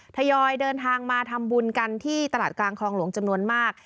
ทยอยเดินทางมาทำบุญกันที่ตลาดกลางคลองหลวงจำนวนมาก